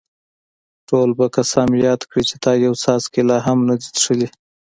ټول به قسم یاد کړي چې تا یو څاڅکی لا هم نه دی څښلی.